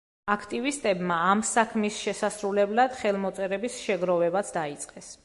აქტივისტებმა ამ საქმის შესასრულებლად ხელმოწერების შეგროვებაც დაიწყეს.